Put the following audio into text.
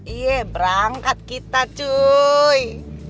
iya berangkat kita cuy